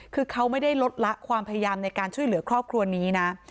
คือเขาไม่ได้ลดละความพยายามในการช่วยเหลือครอบครัวนี้นะ